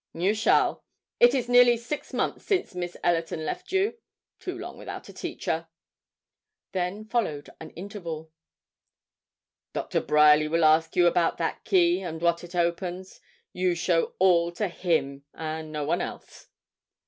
'You shall. It is nearly six months since Miss Ellerton left you too long without a teacher.' Then followed an interval. 'Dr. Bryerly will ask you about that key, and what it opens; you show all that to him, and no one else.'